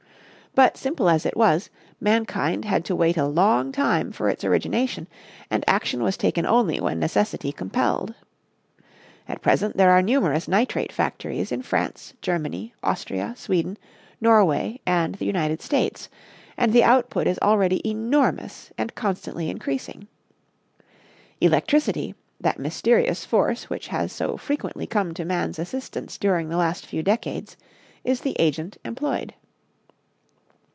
But, simple as it was, mankind had to wait a long time for its origination, and action was taken only when necessity compelled. At present there are numerous nitrate factories in France, Germany, Austria, Sweden, Norway and the United States, and the output is already enormous and constantly increasing. Electricity, that mysterious force which has so frequently come to man's assistance during the last few decades, is the agent employed.